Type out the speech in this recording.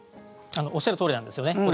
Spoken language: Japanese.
おっしゃるとおりなんですよね。